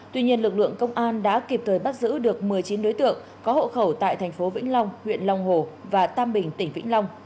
tuy nhiên lực lượng công an đã kịp thời bắt giữ được một mươi chín đối tượng có hộ khẩu tại thành phố vĩnh long huyện long hồ và tam bình tỉnh vĩnh long